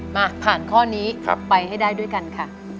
มาผ่านข้อนี้ไปให้ได้ด้วยกันค่ะ